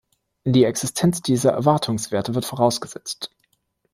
Die Existenz dieser Erwartungswerte wird vorausgesetzt.